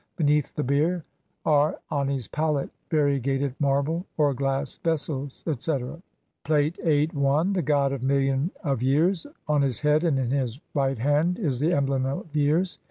Beneath the bier are Ani's palette, variegated marble or glass vessels, etc. Plate 8. I. The god of "Million of years"; on his head and in his right hand is the emblem of "years".